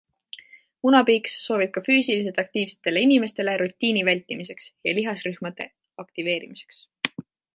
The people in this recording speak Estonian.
Munapiiks sobib ka füüsiliselt aktiivsetele inimestele rutiini vältimiseks ja lihasrühmade aktiveerimiseks.